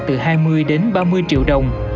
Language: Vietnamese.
từ hai mươi đến ba mươi triệu đồng